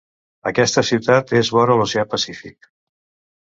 Aquesta ciutat és vora l'Oceà Pacífic.